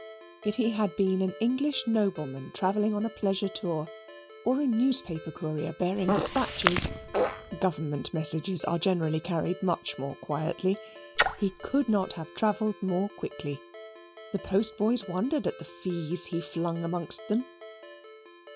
If he had been an English nobleman travelling on a pleasure tour, or a newspaper courier bearing dispatches (government messages are generally carried much more quietly), he could not have travelled more quickly. The post boys wondered at the fees he flung amongst them.